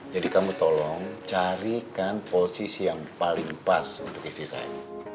jadi kamu tolong carikan posisi yang paling pas untuk istri saya